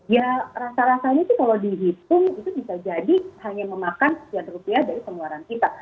ya rasa rasanya sih kalau dihitung itu bisa jadi hanya memakan sekian rupiah dari pengeluaran kita